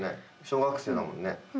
小学生だもんね。